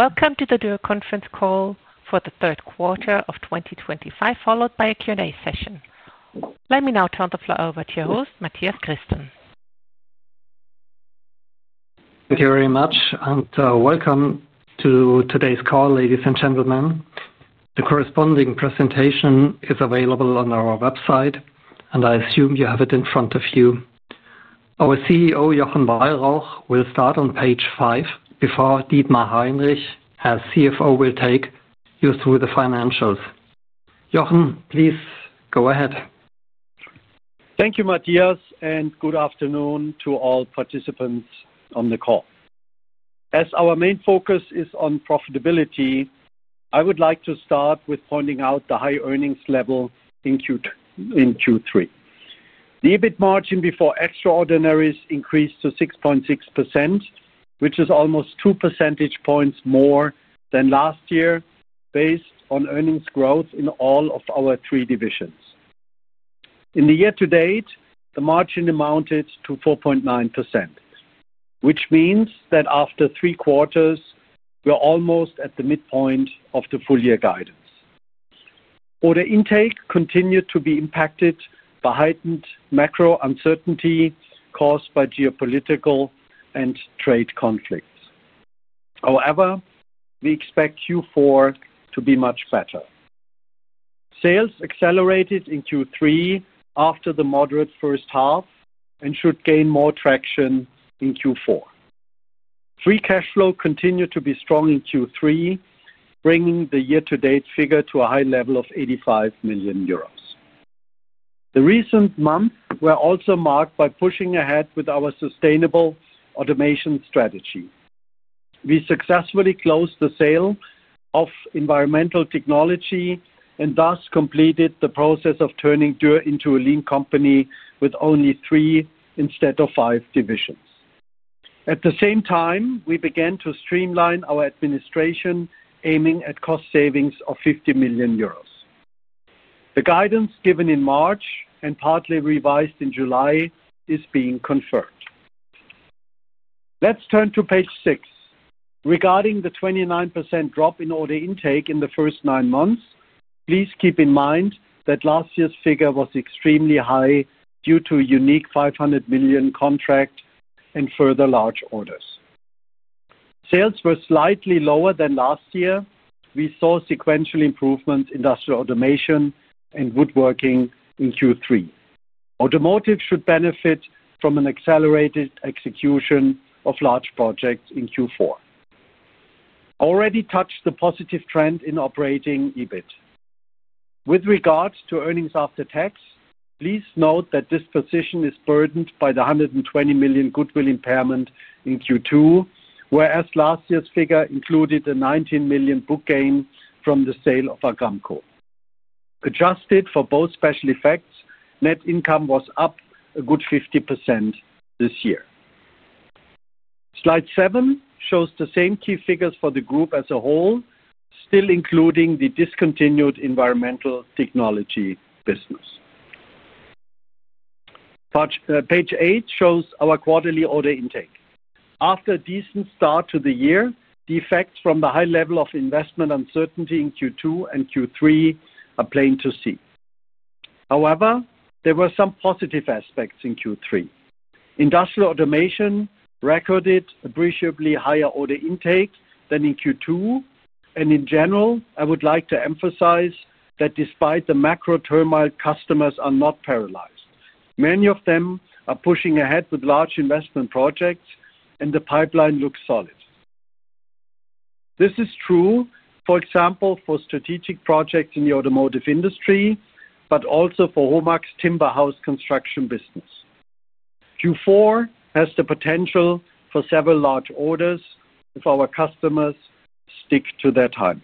Welcome to the Dürr conference call for the third quarter of 2025, followed by a Q&A session. Let me now turn the floor over to your host, Mathias Christen. Thank you very much, and welcome to today's call, ladies and gentlemen. The corresponding presentation is available on our website, and I assume you have it in front of you. Our CEO, Jochen Weyrauch, will start on page five before Dietmar Heinrich, as CFO, will take you through the financials. Jochen, please go ahead. Thank you, Mathias, and good afternoon to all participants on the call. As our main focus is on profitability, I would like to start with pointing out the high earnings level in Q3. The EBIT margin before extraordinaries increased to 6.6%, which is almost two percentage points more than last year based on earnings growth in all of our three divisions. In the year-to-date, the margin amounted to 4.9%, which means that after three quarters, we're almost at the midpoint of the full-year guidance. Order intake continued to be impacted by heightened macro uncertainty caused by geopolitical and trade conflicts. However, we expect Q4 to be much better. Sales accelerated in Q3 after the moderate first half and should gain more traction in Q4. Free cash flow continued to be strong in Q3, bringing the year-to-date figure to a high level of 85 million euros. The recent months were also marked by pushing ahead with our sustainable automation strategy. We successfully closed the sale of Environmental Technology and thus completed the process of turning Dürr into a lean company with only three instead of five divisions. At the same time, we began to streamline our administration, aiming at cost savings of 50 million euros. The guidance given in March and partly revised in July is being conferred. Let's turn to page six. Regarding the 29% drop in order intake in the first nine months, please keep in mind that last year's figure was extremely high due to a unique 500 million contract and further large orders. Sales were slightly lower than last year. We saw sequential improvements in industrial automation and woodworking in Q3. Automotive should benefit from an accelerated execution of large projects in Q4. I already touched the positive trend in operating EBIT. With regards to earnings after tax, please note that this position is burdened by the 120 million goodwill impairment in Q2, whereas last year's figure included a 19 million book gain from the sale of Argamco. Adjusted for both special effects, net income was up a good 50% this year. Slide seven shows the same key figures for the group as a whole, still including the discontinued environmental technology business. Page eight shows our quarterly order intake. After a decent start to the year, the effects from the high level of investment uncertainty in Q2 and Q3 are plain to see. However, there were some positive aspects in Q3. Industrial automation recorded appreciably higher order intake than in Q2, and in general, I would like to emphasize that despite the macro turmoil, customers are not paralyzed. Many of them are pushing ahead with large investment projects, and the pipeline looks solid. This is true, for example, for strategic projects in the automotive industry, but also for Homag's timber house construction business. Q4 has the potential for several large orders if our customers stick to their time.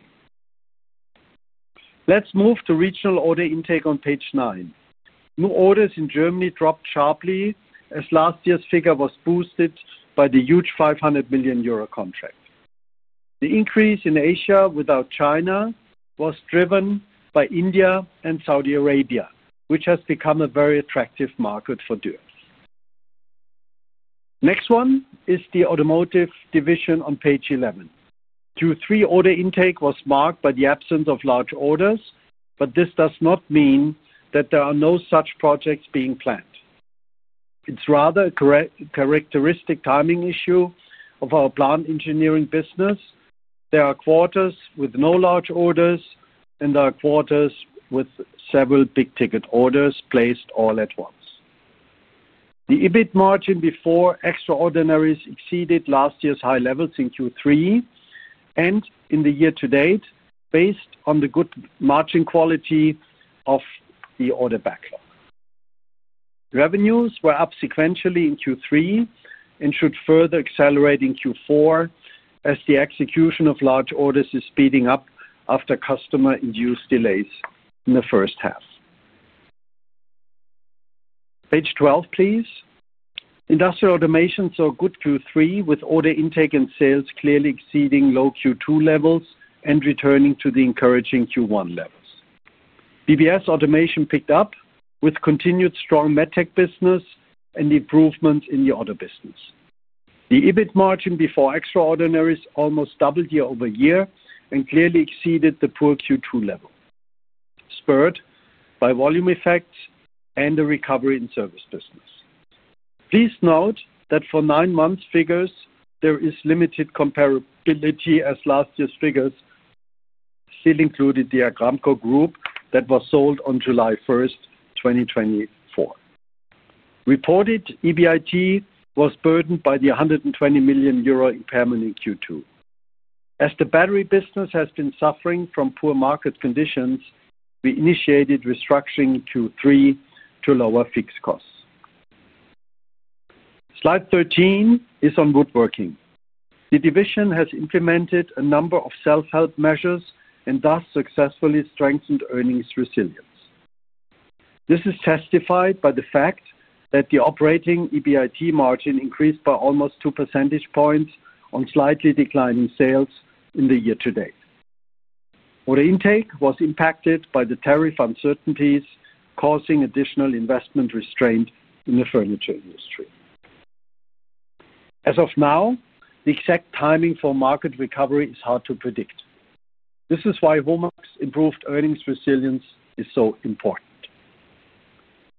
Let's move to regional order intake on page nine. New orders in Germany dropped sharply as last year's figure was boosted by the huge 500 million euro contract. The increase in Asia without China was driven by India and Saudi Arabia, which has become a very attractive market for Dürr. Next one is the automotive division on page 11. Q3 order intake was marked by the absence of large orders, but this does not mean that there are no such projects being planned. It's rather a characteristic timing issue of our plant engineering business. There are quarters with no large orders, and there are quarters with several big-ticket orders placed all at once. The EBIT margin before extraordinaries exceeded last year's high levels in Q3 and in the year-to-date, based on the good margin quality of the order backlog. Revenues were up sequentially in Q3 and should further accelerate in Q4 as the execution of large orders is speeding up after customer-induced delays in the first half. Page 12, please. Industrial automation saw good Q3 with order intake and sales clearly exceeding low Q2 levels and returning to the encouraging Q1 levels. BBS automation picked up with continued strong medtech business and improvements in the auto business. The EBIT margin before extraordinaries almost doubled year-over-year and clearly exceeded the poor Q2 level, spurred by volume effects and a recovery in service business. Please note that for nine months' figures, there is limited comparability as last year's figures still included the Argamco group that was sold on July 1st, 2024. Reported EBIT was burdened by the 120 million euro impairment in Q2. As the battery business has been suffering from poor market conditions, we initiated restructuring in Q3 to lower fixed costs. Slide 13 is on woodworking. The division has implemented a number of self-help measures and thus successfully strengthened earnings resilience. This is testified by the fact that the operating EBIT margin increased by almost 2 percentage points on slightly declining sales in the year-to-date. Order intake was impacted by the tariff uncertainties causing additional investment restraint in the furniture industry. As of now, the exact timing for market recovery is hard to predict. This is why Homag's improved earnings resilience is so important.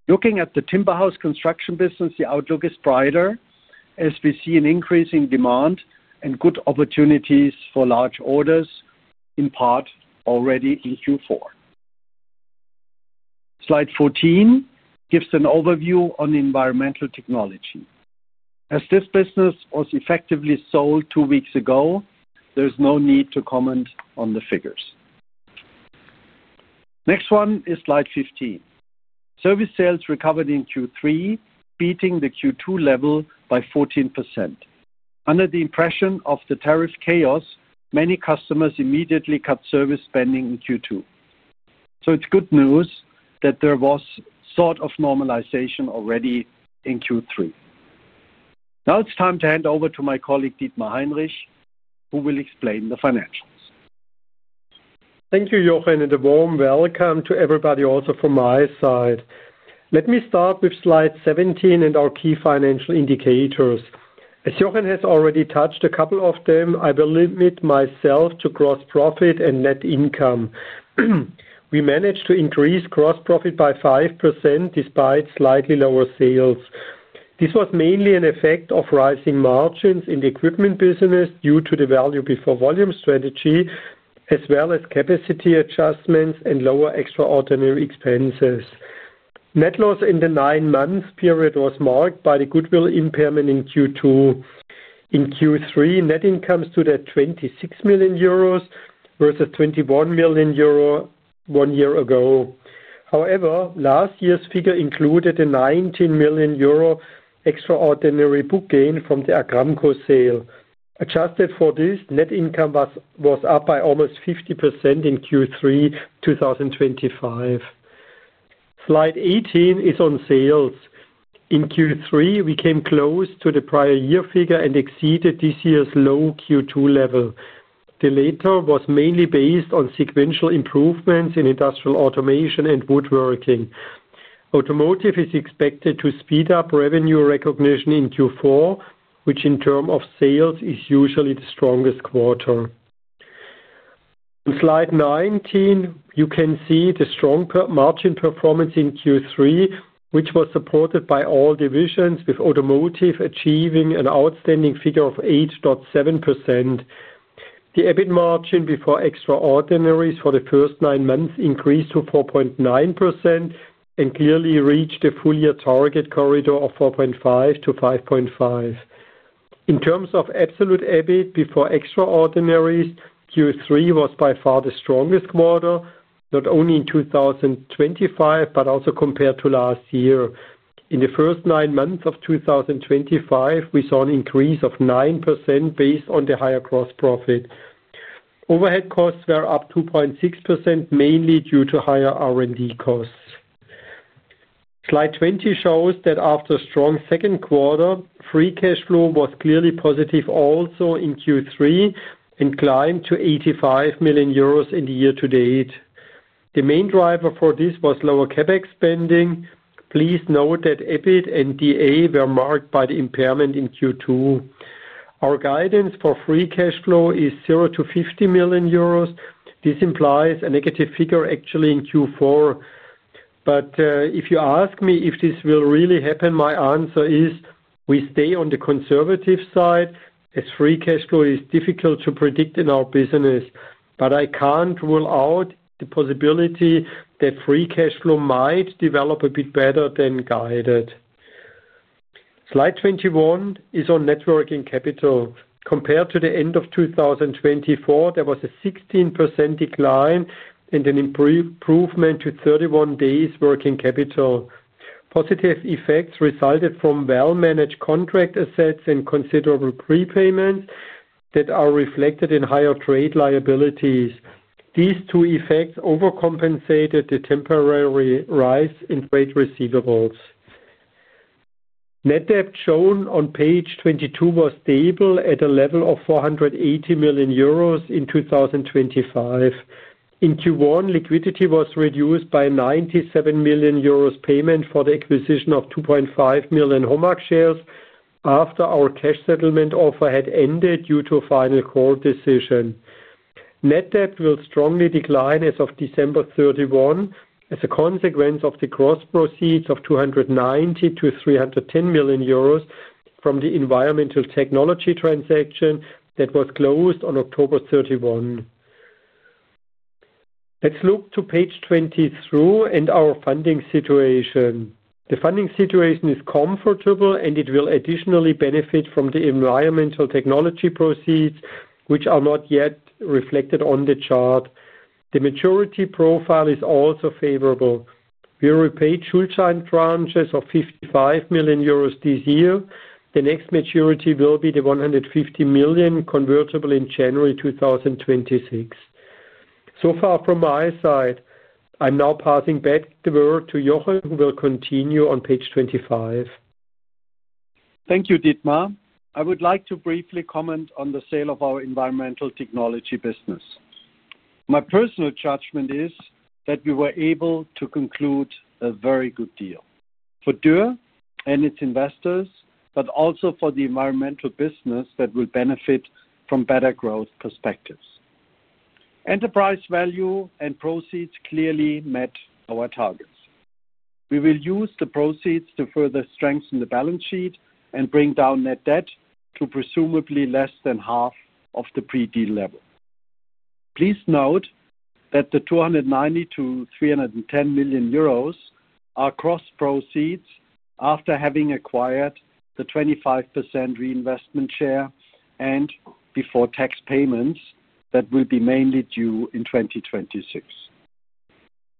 Looking at the timber house construction business, the outlook is brighter as we see an increase in demand and good opportunities for large orders, in part already in Q4. Slide 14 gives an overview on environmental technology. As this business was effectively sold two weeks ago, there is no need to comment on the figures. Next one is slide 15. Service sales recovered in Q3, beating the Q2 level by 14%. Under the impression of the tariff chaos, many customers immediately cut service spending in Q2. It is good news that there was sort of normalization already in Q3. Now it is time to hand over to my colleague Dietmar Heinrich, who will explain the financials. Thank you, Jochen, and a warm welcome to everybody also from my side. Let me start with slide 17 and our key financial indicators. As Jochen has already touched a couple of them, I will limit myself to gross profit and net income. We managed to increase gross profit by 5% despite slightly lower sales. This was mainly an effect of rising margins in the equipment business due to the value before volume strategy, as well as capacity adjustments and lower extraordinary expenses. Net loss in the nine-month period was marked by the goodwill impairment in Q2. In Q3, net income stood at 26 million euros versus 21 million euro one year ago. However, last year's figure included a 19 million euro extraordinary book gain from the Argamco sale. Adjusted for this, net income was up by almost 50% in Q3 2025. Slide 18 is on sales. In Q3, we came close to the prior year figure and exceeded this year's low Q2 level. The latter was mainly based on sequential improvements in industrial automation and woodworking. Automotive is expected to speed up revenue recognition in Q4, which in terms of sales is usually the strongest quarter. On slide 19, you can see the strong margin performance in Q3, which was supported by all divisions, with automotive achieving an outstanding figure of 8.7%. The EBIT margin before extraordinaries for the first nine months increased to 4.9% and clearly reached the full-year target corridor of 4.5%-5.5%. In terms of absolute EBIT before extraordinaries, Q3 was by far the strongest quarter, not only in 2025 but also compared to last year. In the first nine months of 2025, we saw an increase of 9% based on the higher gross profit. Overhead costs were up 2.6%, mainly due to higher R&D costs. Slide 20 shows that after a strong second quarter, free cash flow was clearly positive also in Q3 and climbed to 85 million euros in the year-to-date. The main driver for this was lower CapEx spending. Please note that EBIT and DA were marked by the impairment in Q2. Our guidance for free cash flow is 0-50 million euros. This implies a negative figure actually in Q4. If you ask me if this will really happen, my answer is we stay on the conservative side as free cash flow is difficult to predict in our business, but I can't rule out the possibility that free cash flow might develop a bit better than guided. Slide 21 is on net working capital. Compared to the end of 2024, there was a 16% decline and an improvement to 31 days working capital. Positive effects resulted from well-managed contract assets and considerable prepayments that are reflected in higher trade liabilities. These two effects overcompensated the temporary rise in trade receivables. Net debt shown on page 22 was stable at a level of 480 million euros in 2025. In Q1, liquidity was reduced by 97 million euros payment for the acquisition of 2.5 million Homag shares after our cash settlement offer had ended due to a final court decision. Net debt will strongly decline as of December 31 as a consequence of the gross proceeds of 290 million-310 million euros from the environmental technology transaction that was closed on October 31. Let's look to page 23 and our funding situation. The funding situation is comfortable, and it will additionally benefit from the environmental technology proceeds, which are not yet reflected on the chart. The maturity profile is also favorable. We repaid Schuldschein tranches of 55 million euros this year. The next maturity will be the 150 million convertible in January 2026. So far from my side, I'm now passing back the word to Jochen, who will continue on page 25. Thank you, Dietmar. I would like to briefly comment on the sale of our environmental technology business. My personal judgment is that we were able to conclude a very good deal for Dürr and its investors, but also for the environmental business that will benefit from better growth perspectives. Enterprise value and proceeds clearly met our targets. We will use the proceeds to further strengthen the balance sheet and bring down net debt to presumably less than half of the pre-deal level. Please note that the 290 million-310 million euros are gross proceeds after having acquired the 25% reinvestment share and before tax payments that will be mainly due in 2026.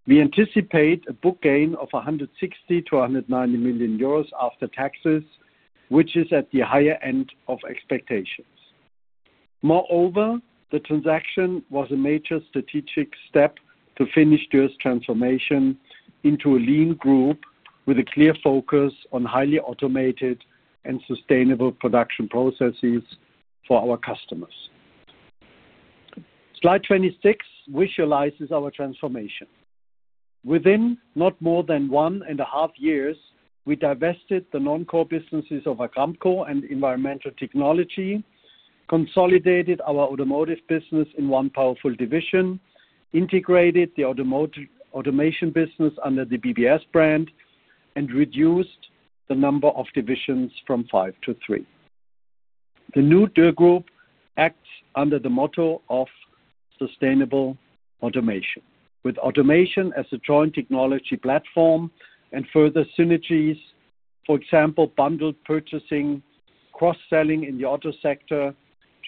We anticipate a book gain of 160 million-190 million euros after taxes, which is at the higher end of expectations. Moreover, the transaction was a major strategic step to finish Dürr's transformation into a lean group with a clear focus on highly automated and sustainable production processes for our customers. Slide 26 visualizes our transformation. Within not more than one and a half years, we divested the non-core businesses of Argamco and environmental technology, consolidated our automotive business in one powerful division, integrated the automation business under the BBS brand, and reduced the number of divisions from five to three. The new Dürr Group acts under the motto of sustainable automation, with automation as a joint technology platform and further synergies, for example, bundled purchasing, cross-selling in the auto sector,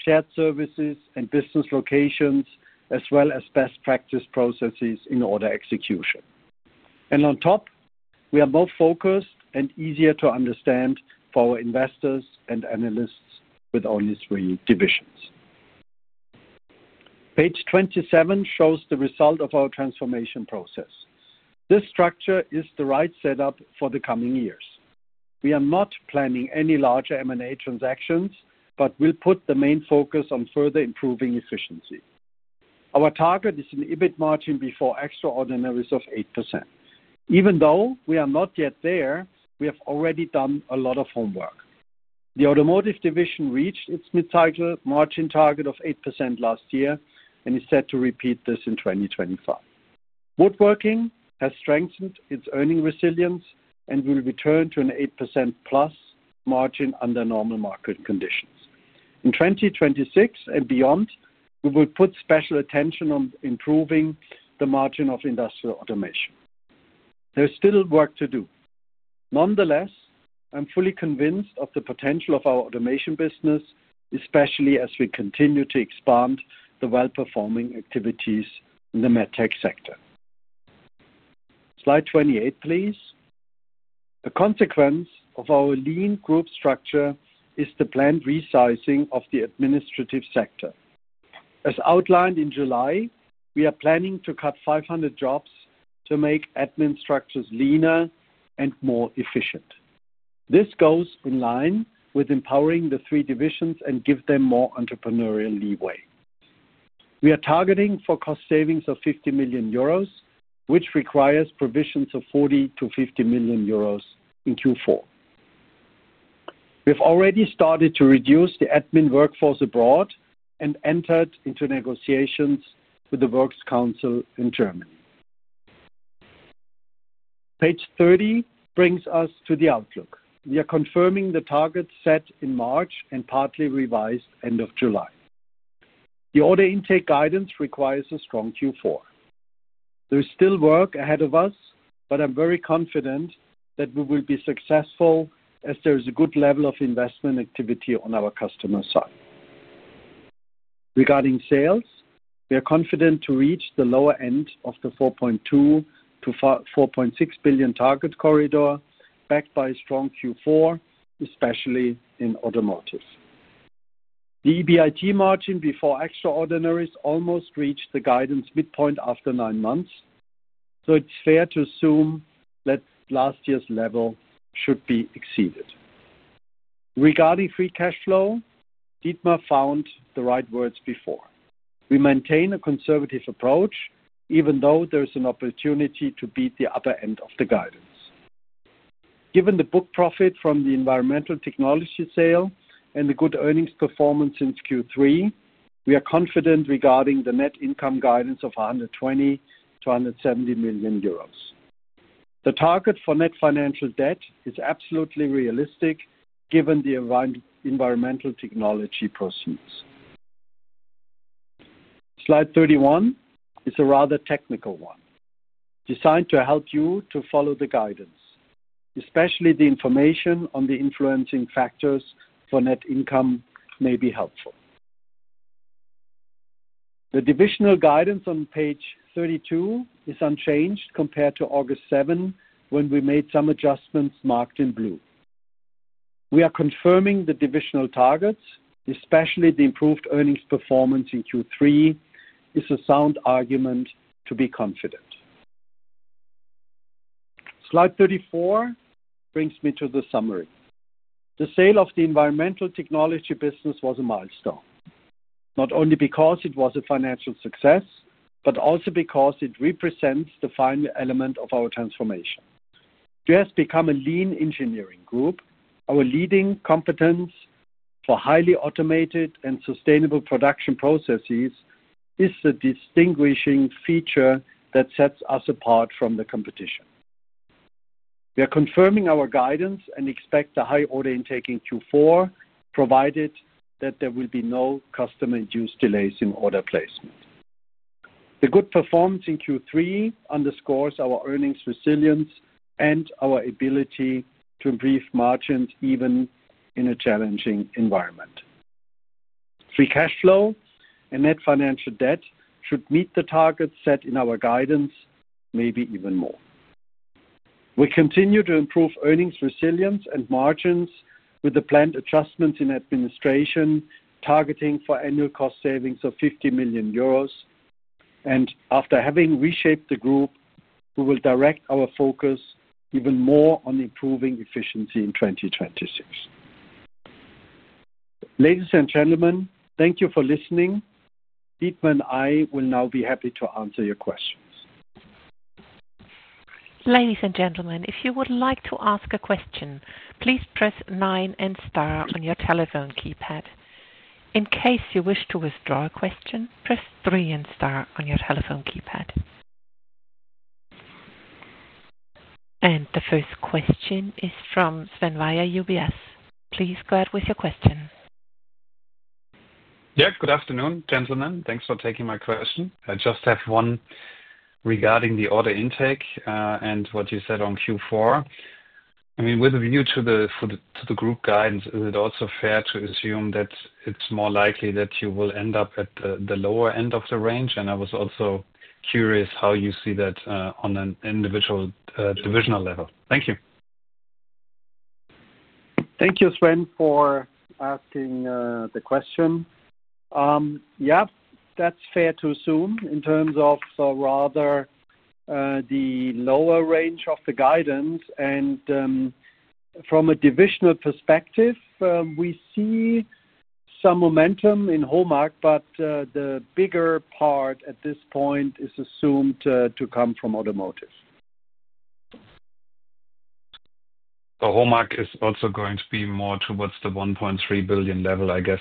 shared services, and business locations, as well as best practice processes in order execution. On top, we are more focused and easier to understand for our investors and analysts with only three divisions. Page 27 shows the result of our transformation process. This structure is the right setup for the coming years. We are not planning any larger M&A transactions, but we'll put the main focus on further improving efficiency. Our target is an EBIT margin before extraordinaries of 8%. Even though we are not yet there, we have already done a lot of homework. The automotive division reached its mid-cycle margin target of 8% last year and is set to repeat this in 2025. Woodworking has strengthened its earning resilience and will return to an 8%+ margin under normal market conditions. In 2026 and beyond, we will put special attention on improving the margin of industrial automation. There's still work to do. Nonetheless, I'm fully convinced of the potential of our automation business, especially as we continue to expand the well-performing activities in the medtech sector. Slide 28, please. A consequence of our lean group structure is the planned resizing of the administrative sector. As outlined in July, we are planning to cut 500 jobs to make admin structures leaner and more efficient. This goes in line with empowering the three divisions and giving them more entrepreneurial leeway. We are targeting for cost savings of 50 million euros, which requires provisions of 40 million-50 million euros in Q4. We have already started to reduce the admin workforce abroad and entered into negotiations with the Works Council in Germany. Page 30 brings us to the outlook. We are confirming the target set in March and partly revised end of July. The order intake guidance requires a strong Q4. There is still work ahead of us, but I'm very confident that we will be successful as there is a good level of investment activity on our customer side. Regarding sales, we are confident to reach the lower end of the 4.2 billion-4.6 billion target corridor, backed by a strong Q4, especially in automotive. The EBIT margin before extraordinaries almost reached the guidance midpoint after nine months, so it's fair to assume that last year's level should be exceeded. Regarding free cash flow, Dietmar found the right words before. We maintain a conservative approach, even though there is an opportunity to beat the upper end of the guidance. Given the book profit from the environmental technology sale and the good earnings performance since Q3, we are confident regarding the net income guidance of 120 million-170 million euros. The target for net financial debt is absolutely realistic given the environmental technology proceeds. Slide 31 is a rather technical one, designed to help you to follow the guidance. Especially the information on the influencing factors for net income may be helpful. The divisional guidance on page 32 is unchanged compared to August 7th, when we made some adjustments marked in blue. We are confirming the divisional targets, especially the improved earnings performance in Q3 is a sound argument to be confident. Slide 34 brings me to the summary. The sale of the environmental technology business was a milestone, not only because it was a financial success, but also because it represents the final element of our transformation. Dürr has become a lean engineering group. Our leading competence for highly automated and sustainable production processes is the distinguishing feature that sets us apart from the competition. We are confirming our guidance and expect a high order intake in Q4, provided that there will be no customer-induced delays in order placement. The good performance in Q3 underscores our earnings resilience and our ability to improve margins even in a challenging environment. Free cash flow and net financial debt should meet the targets set in our guidance, maybe even more. We continue to improve earnings resilience and margins with the planned adjustments in administration, targeting for annual cost savings of 50 million euros. After having reshaped the group, we will direct our focus even more on improving efficiency in 2026. Ladies and gentlemen, thank you for listening. Dietmar and I will now be happy to answer your questions. Ladies and gentlemen, if you would like to ask a question, please press nine and star on your telephone keypad. In case you wish to withdraw a question, press three and star on your telephone keypad. The first question is from Sven Weier, UBS. Please go ahead with your question. Yep, good afternoon, gentlemen. Thanks for taking my question. I just have one regarding the order intake and what you said on Q4. I mean, with a view to the group guidance, is it also fair to assume that it's more likely that you will end up at the lower end of the range? I was also curious how you see that on an individual divisional level. Thank you. Thank you, Sven, for asking the question. Yep, that's fair to assume in terms of rather the lower range of the guidance. And from a divisional perspective, we see some momentum in Homag, but the bigger part at this point is assumed to come from automotive. Homag is also going to be more towards the 1.3 billion level, I guess.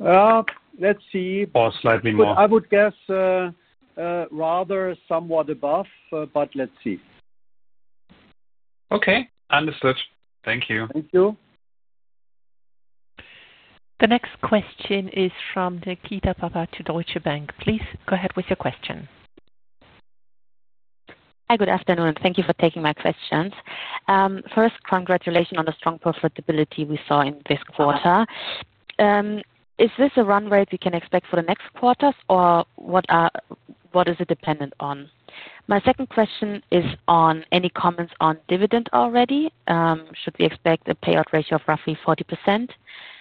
Let's see. Or slightly more? I would guess rather somewhat above, but let's see. Okay, understood. Thank you. Thank you. The next question is from Nikita Gupta at Deutsche Bank. Please go ahead with your question. Hi, good afternoon. Thank you for taking my questions. First, congratulations on the strong profitability we saw in this quarter. Is this a run rate we can expect for the next quarters, or what is it dependent on? My second question is on any comments on dividend already. Should we expect a payout ratio of roughly 40%?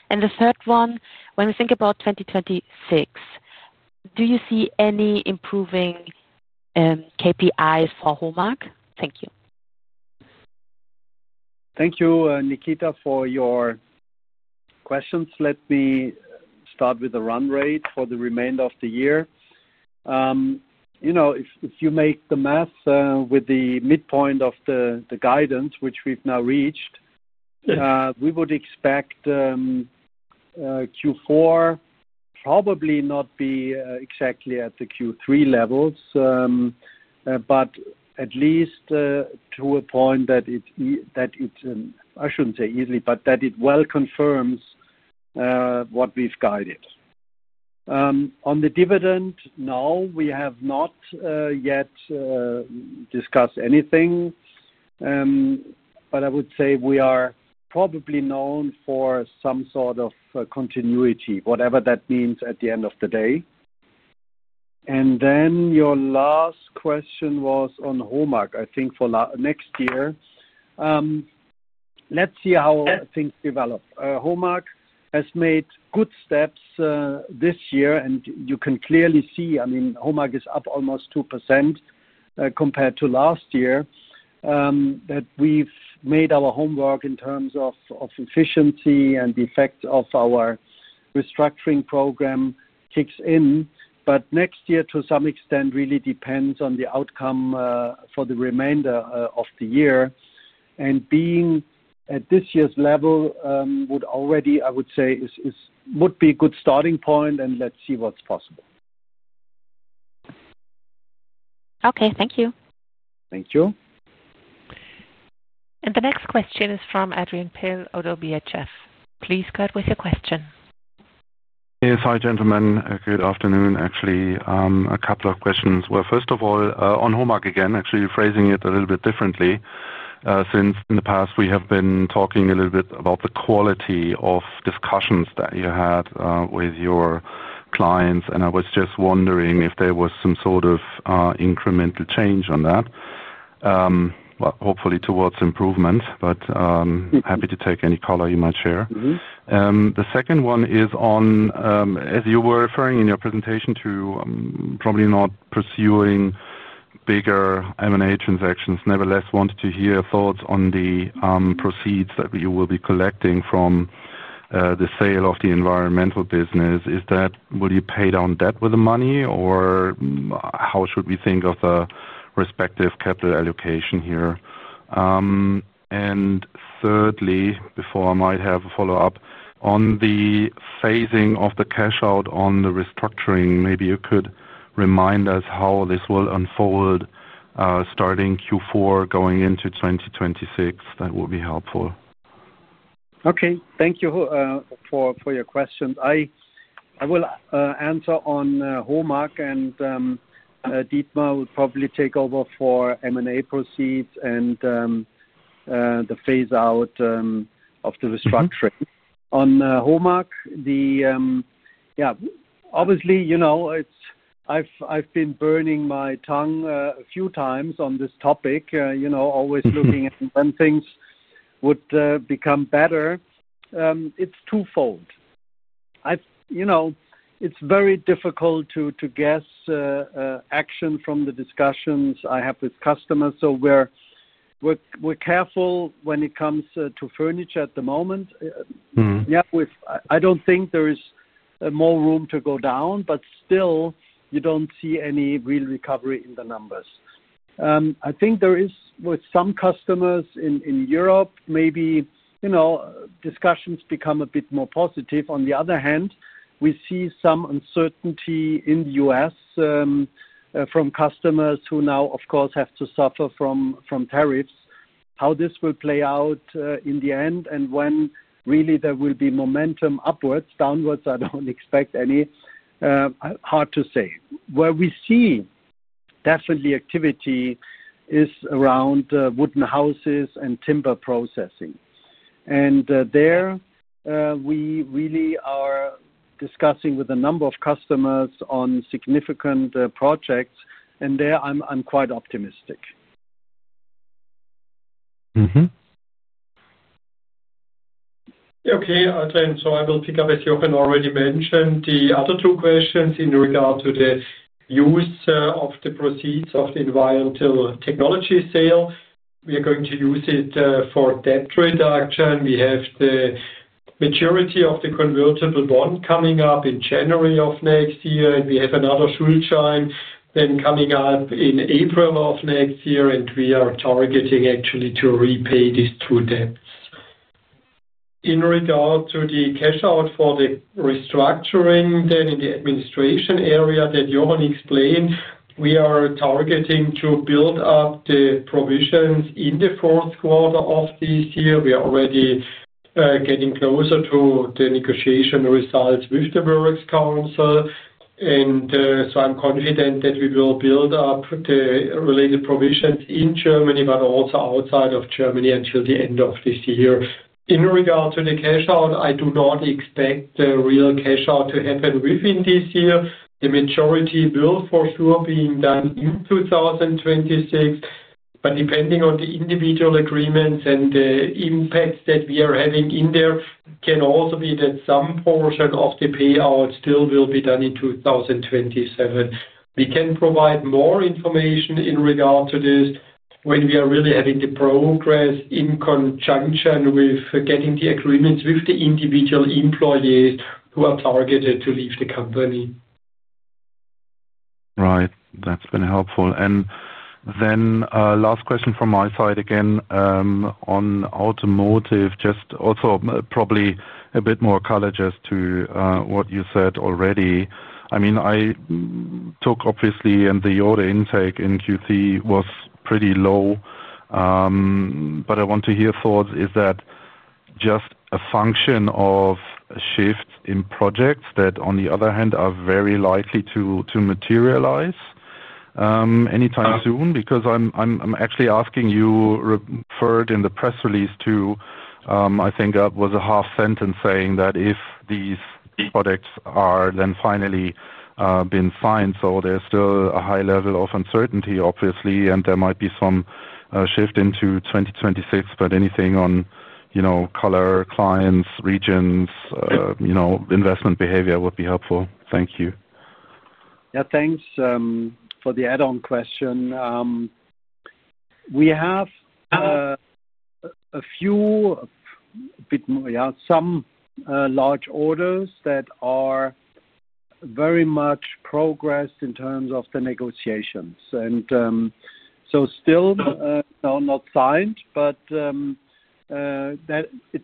The third one, when we think about 2026, do you see any improving KPIs for Homag? Thank you. Thank you, Nikita, for your questions. Let me start with the run rate for the remainder of the year. If you make the math with the midpoint of the guidance, which we've now reached, we would expect Q4 probably not to be exactly at the Q3 levels, but at least to a point that it, I shouldn't say easily, but that it well confirms what we've guided. On the dividend, no, we have not yet discussed anything, but I would say we are probably known for some sort of continuity, whatever that means at the end of the day. And then your last question was on Homag, I think, for next year. Let's see how things develop. Homag has made good steps this year, and you can clearly see, I mean, Homag is up almost 2% compared to last year, that we've made our homework in terms of efficiency and the effect of our restructuring program kicks in. Next year, to some extent, really depends on the outcome for the remainder of the year. Being at this year's level would already, I would say, would be a good starting point, and let's see what's possible. Okay, thank you. Thank you. The next question is from Adrian Pehl, ODDO BHF. Please go ahead with your question. Yes, hi gentlemen. Good afternoon, actually. A couple of questions. First of all, on Homag again, actually phrasing it a little bit differently, since in the past we have been talking a little bit about the quality of discussions that you had with your clients, and I was just wondering if there was some sort of incremental change on that, hopefully towards improvement, but happy to take any color you might share. The second one is on, as you were referring in your presentation to probably not pursuing bigger M&A transactions, nevertheless wanted to hear thoughts on the proceeds that you will be collecting from the sale of the environmental business. Will you pay down debt with the money, or how should we think of the respective capital allocation here? Thirdly, before I might have a follow-up on the phasing of the cash out on the restructuring, maybe you could remind us how this will unfold starting Q4 going into 2026. That would be helpful. Okay, thank you for your questions. I will answer on Homag, and Dietmar will probably take over for M&A proceeds and the phase-out of the restructuring. On Homag, yeah, obviously I've been burning my tongue a few times on this topic, always looking at when things would become better. It's twofold. It's very difficult to guess action from the discussions I have with customers, so we're careful when it comes to furniture at the moment. Yeah, I don't think there is more room to go down, but still, you don't see any real recovery in the numbers. I think there is with some customers in Europe, maybe discussions become a bit more positive. On the other hand, we see some uncertainty in the U.S. from customers who now, of course, have to suffer from tariffs. How this will play out in the end and when really there will be momentum upwards, downwards, I do not expect any. Hard to say. Where we see definitely activity is around wooden houses and timber processing. There we really are discussing with a number of customers on significant projects, and there I am quite optimistic. Okay, Adrian, so I will pick up as Jochen already mentioned the other two questions in regard to the use of the proceeds of the environmental technology sale. We are going to use it for debt reduction. We have the maturity of the convertible bond coming up in January of next year, and we have another Schuldschein then coming up in April of next year, and we are targeting actually to repay these two debts. In regard to the cash out for the restructuring, then in the administration area that Jochen explained, we are targeting to build up the provisions in the fourth quarter of this year. We are already getting closer to the negotiation results with the Works Council, and so I'm confident that we will build up the related provisions in Germany, but also outside of Germany until the end of this year. In regard to the cash out, I do not expect the real cash out to happen within this year. The majority will for sure be done in 2026, but depending on the individual agreements and the impacts that we are having in there, it can also be that some portion of the payout still will be done in 2027. We can provide more information in regard to this when we are really having the progress in conjunction with getting the agreements with the individual employees who are targeted to leave the company. Right, that's been helpful. Last question from my side again on automotive, just also probably a bit more color just to what you said already. I mean, I took obviously and the order intake in Q3 was pretty low, but I want to hear thoughts. Is that just a function of shifts in projects that on the other hand are very likely to materialize anytime soon? Because I'm actually asking you, referred in the press release to, I think that was a half sentence saying that if these products are then finally being signed, so there's still a high level of uncertainty obviously, and there might be some shift into 2026, but anything on color, clients, regions, investment behavior would be helpful. Thank you. Yeah, thanks for the add-on question. We have a few, a bit more, yeah, some large orders that are very much progressed in terms of the negotiations. Still not signed, but it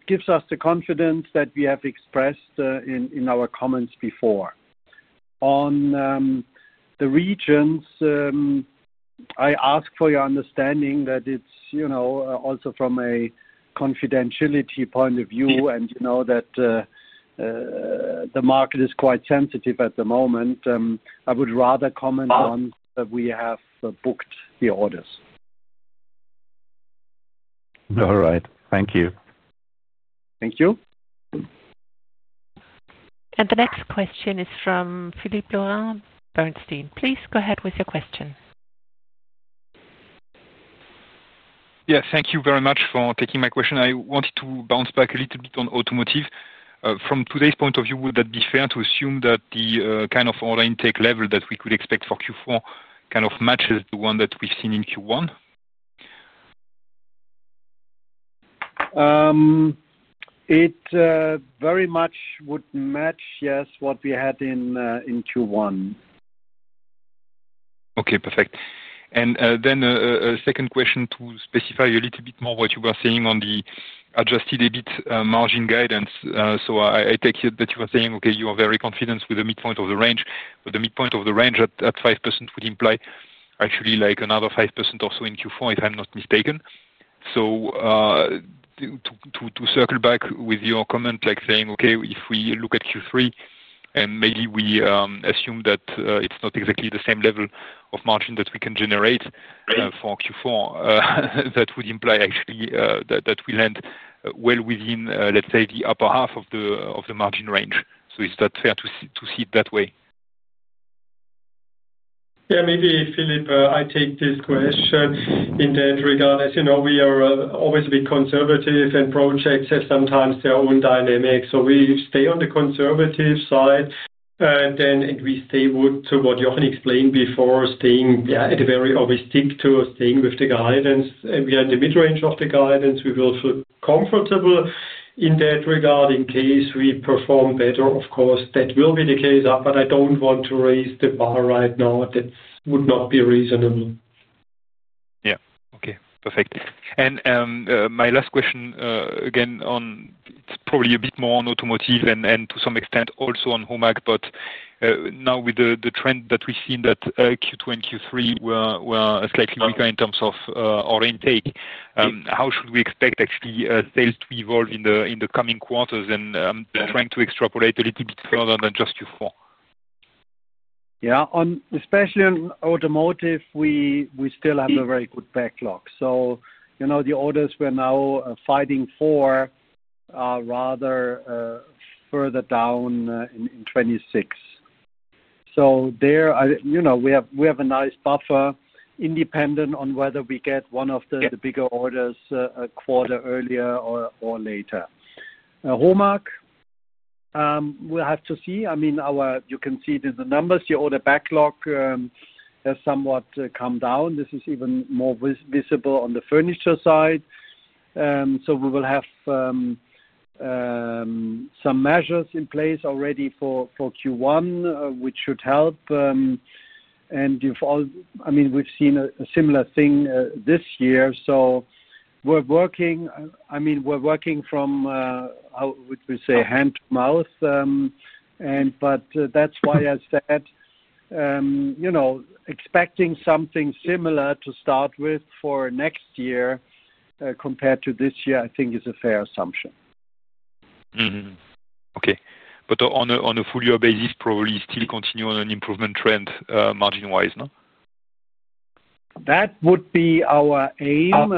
gives us the confidence that we have expressed in our comments before. On the regions, I ask for your understanding that it's also from a confidentiality point of view and that the market is quite sensitive at the moment. I would rather comment on that we have booked the orders. All right, thank you. Thank you. The next question is from Philippe Lorrain, Bernstein. Please go ahead with your question. Yes, thank you very much for taking my question. I wanted to bounce back a little bit on automotive. From today's point of view, would that be fair to assume that the kind of order intake level that we could expect for Q4 kind of matches the one that we've seen in Q1? It very much would match, yes, what we had in Q1. Okay, perfect. Then a second question to specify a little bit more what you were saying on the adjusted EBIT margin guidance. I take it that you were saying, okay, you are very confident with the midpoint of the range, but the midpoint of the range at 5% would imply actually like another 5% or so in Q4, if I'm not mistaken. To circle back with your comment, like saying, okay, if we look at Q3 and maybe we assume that it's not exactly the same level of margin that we can generate for Q4, that would imply actually that we land well within, let's say, the upper half of the margin range. Is that fair to see it that way? Yeah, maybe Philippe, I take this question in that regard. As you know, we are always a bit conservative, and projects have sometimes their own dynamics. So we stay on the conservative side, and then we stay with what Jochen explained before, staying at a very obvious stick to staying with the guidance. We are in the midrange of the guidance. We feel comfortable in that regard. In case we perform better, of course, that will be the case, but I do not want to raise the bar right now. That would not be reasonable. Yeah, okay, perfect. My last question again on, it's probably a bit more on automotive and to some extent also on Homag, but now with the trend that we've seen that Q2 and Q3 were slightly weaker in terms of order intake, how should we expect actually sales to evolve in the coming quarters? I'm trying to extrapolate a little bit further than just Q4. Yeah, especially on automotive, we still have a very good backlog. The orders we're now fighting for are rather further down in 2026. There we have a nice buffer independent of whether we get one of the bigger orders a quarter earlier or later. Homag, we'll have to see. I mean, you can see it in the numbers. The order backlog has somewhat come down. This is even more visible on the furniture side. We will have some measures in place already for Q1, which should help. I mean, we've seen a similar thing this year. We're working, I mean, we're working from, how would we say, hand to mouth. That's why I said expecting something similar to start with for next year compared to this year, I think is a fair assumption. Okay, but on a full year basis, probably still continue on an improvement trend margin-wise, no? That would be our aim,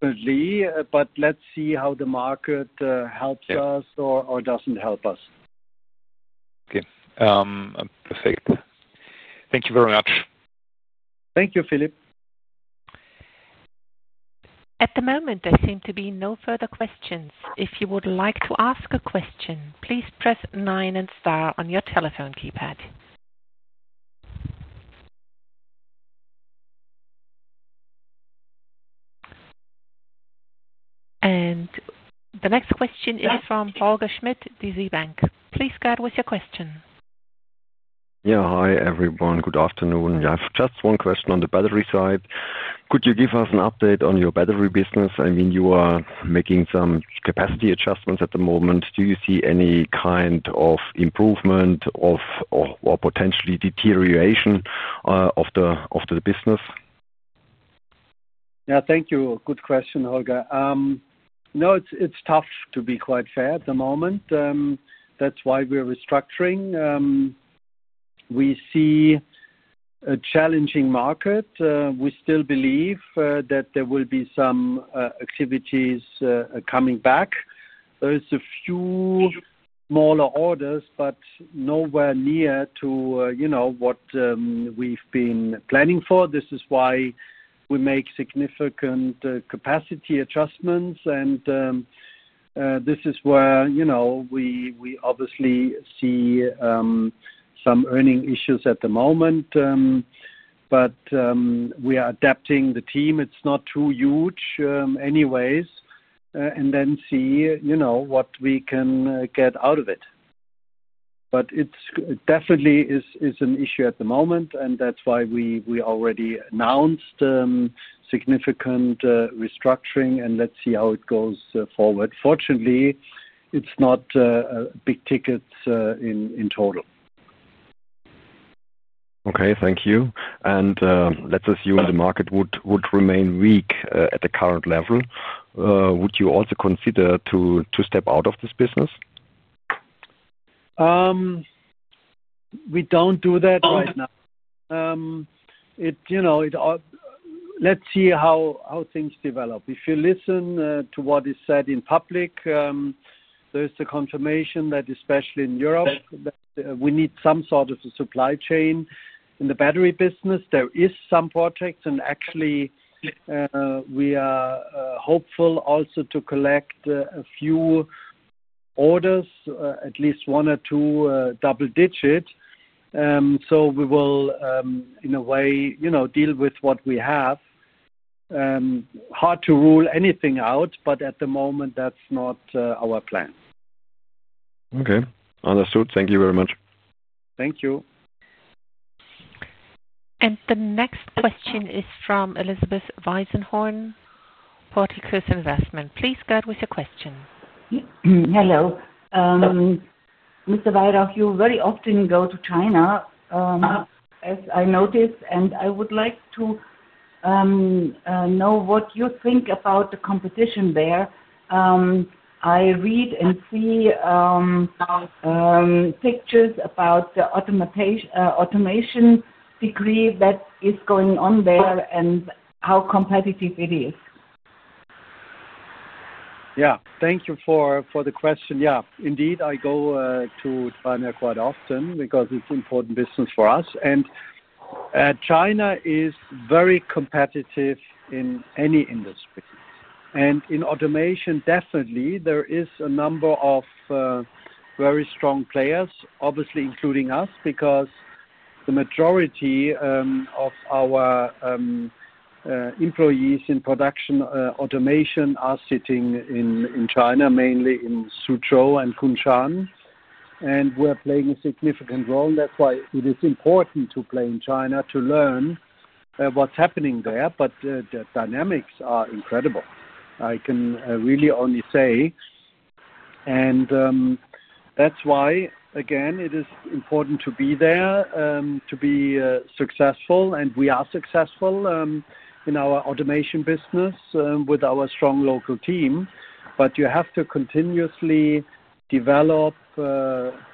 definitely, but let's see how the market helps us or doesn't help us. Okay, perfect. Thank you very much. Thank you, Philippe. At the moment, there seem to be no further questions. If you would like to ask a question, please press nine and star on your telephone keypad. The next question is from Holger Schmidt, DZ Bank. Please go ahead with your question. Yeah, hi everyone. Good afternoon. I have just one question on the battery side. Could you give us an update on your battery business? I mean, you are making some capacity adjustments at the moment. Do you see any kind of improvement or potentially deterioration of the business? Yeah, thank you. Good question, Holger. No, it's tough to be quite fair at the moment. That's why we're restructuring. We see a challenging market. We still believe that there will be some activities coming back. There's a few smaller orders, but nowhere near to what we've been planning for. This is why we make significant capacity adjustments, and this is where we obviously see some earning issues at the moment. We are adapting the team. It's not too huge anyways, and then see what we can get out of it. It definitely is an issue at the moment, and that's why we already announced significant restructuring. Let's see how it goes forward. Fortunately, it's not big tickets in total. Okay, thank you. Let's assume the market would remain weak at the current level. Would you also consider to step out of this business? We don't do that right now. Let's see how things develop. If you listen to what is said in public, there is the confirmation that especially in Europe, we need some sort of a supply chain in the battery business. There are some projects, and actually we are hopeful also to collect a few orders, at least one or two double-digit. We will, in a way, deal with what we have. Hard to rule anything out, but at the moment, that's not our plan. Okay, understood. Thank you very much. Thank you. The next question is from Elisabeth Weisenhorn, Porteous Investment. Please go with your question. Hello. Mr. Weyrauch, you very often go to China, as I noticed, and I would like to know what you think about the competition there. I read and see pictures about the automation degree that is going on there and how competitive it is. Yeah, thank you for the question. Yeah, indeed, I go to China quite often because it's important business for us. China is very competitive in any industry. In automation, definitely, there is a number of very strong players, obviously including us, because the majority of our employees in production automation are sitting in China, mainly in Suzhou and Kunshan, and we're playing a significant role. That is why it is important to play in China to learn what's happening there, but the dynamics are incredible. I can really only say. That is why, again, it is important to be there, to be successful, and we are successful in our automation business with our strong local team. You have to continuously develop,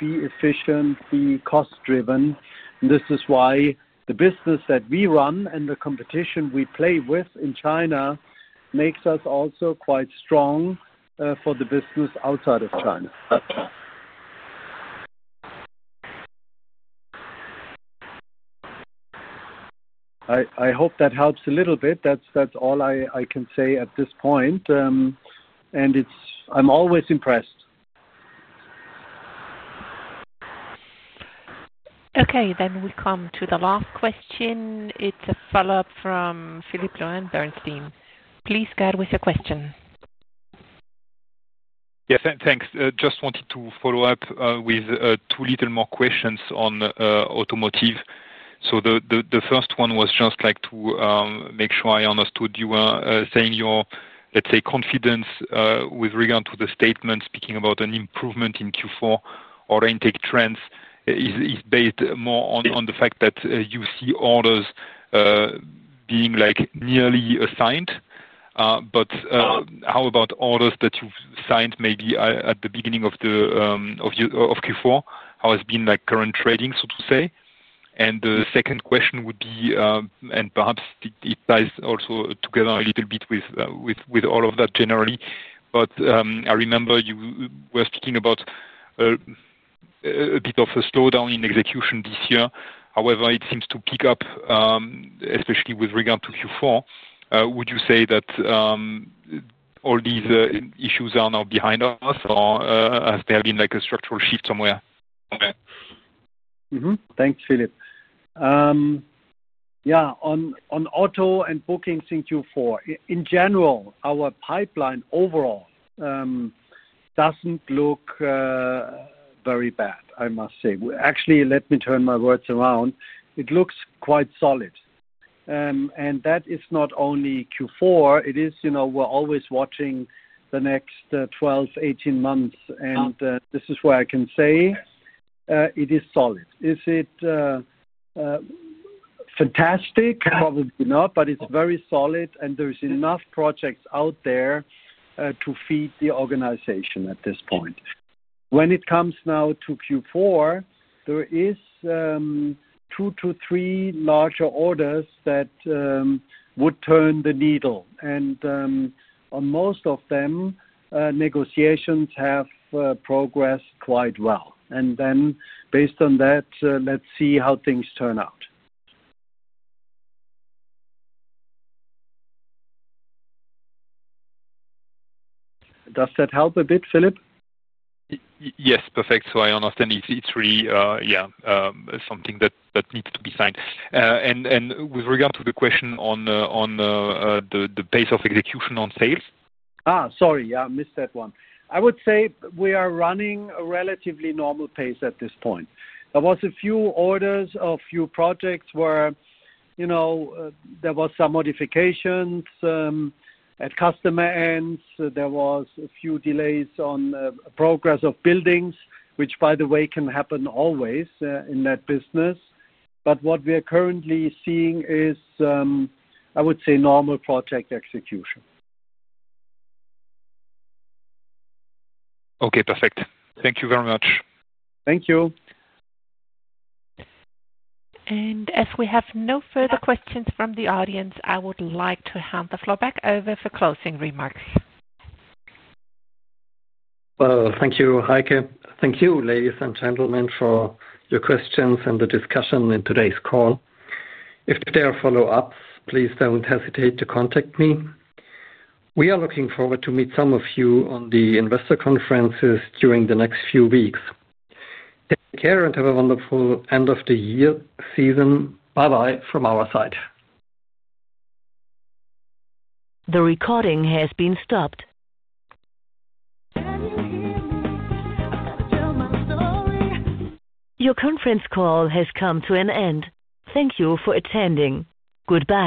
be efficient, be cost-driven. This is why the business that we run and the competition we play with in China makes us also quite strong for the business outside of China. I hope that helps a little bit. That is all I can say at this point, and I am always impressed. Okay, then we come to the last question. It's a follow-up from Philippe Lorraine, Bernstein. Please go with your question. Yes, thanks. Just wanted to follow up with two little more questions on automotive. The first one was just to make sure I understood you saying your, let's say, confidence with regard to the statement speaking about an improvement in Q4 or intake trends is based more on the fact that you see orders being nearly assigned. How about orders that you've signed maybe at the beginning of Q4? How has been current trading, so to say? The second question would be, and perhaps it ties also together a little bit with all of that generally, but I remember you were speaking about a bit of a slowdown in execution this year. However, it seems to pick up, especially with regard to Q4. Would you say that all these issues are now behind us, or has there been a structural shift somewhere? Thanks, Philippe. Yeah, on auto and bookings in Q4, in general, our pipeline overall does not look very bad, I must say. Actually, let me turn my words around. It looks quite solid. That is not only Q4. We are always watching the next 12, 18 months, and this is where I can say it is solid. Is it fantastic? Probably not, but it is very solid, and there are enough projects out there to feed the organization at this point. When it comes now to Q4, there are two to three larger orders that would turn the needle. On most of them, negotiations have progressed quite well. Based on that, let us see how things turn out. Does that help a bit, Philippe? Yes, perfect. I understand it's really, yeah, something that needs to be signed. With regard to the question on the pace of execution on sales? Sorry, yeah, I missed that one. I would say we are running a relatively normal pace at this point. There were a few orders or a few projects where there were some modifications at customer ends. There were a few delays on progress of buildings, which, by the way, can happen always in that business. What we are currently seeing is, I would say, normal project execution. Okay, perfect. Thank you very much. Thank you. As we have no further questions from the audience, I would like to hand the floor back over for closing remarks. Thank you, Heike. Thank you, ladies and gentlemen, for your questions and the discussion in today's call. If there are follow-ups, please don't hesitate to contact me. We are looking forward to meeting some of you on the investor conferences during the next few weeks. Take care and have a wonderful end of the year season. Bye-bye from our side. The recording has been stopped. Your conference call has come to an end. Thank you for attending. Goodbye.